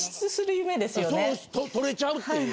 そう取れちゃうっていう。